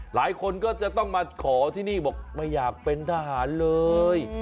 หลายคนก็จะต้องมาขอที่นี่บอกไม่อยากเป็นทหารเลย